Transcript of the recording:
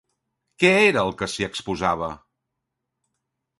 Què era el que s'hi exposava?